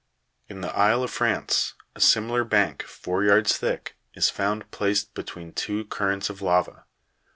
in the Isle of France a similar bank, four yards thick, is found placed between two cur rents of lava.